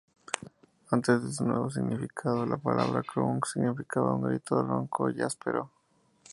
Antes de su nuevo significado, la palabra "crunk" significaba un grito ronco y áspero.